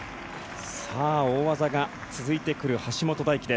大技が続いてくる、橋本大輝。